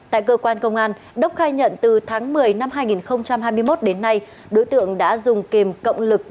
tại cơ quan công an đốc khai nhận từ tháng một mươi năm hai nghìn hai mươi một đến nay đối tượng đã dùng kìm cộng lực